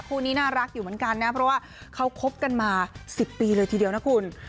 คู่นี้น่ารักอยู่เหมือนกันนะเพราะว่าเขาคบกันมา๑๐ปีเลยทีเดียวนะคุณ